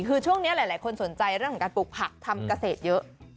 คือช่วงนี้หลายคนสนใจเรื่องของการปลูกผักทำเกษตรเยอะ